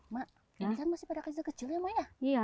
mak ini kan masih pada kecil kecilnya mak ya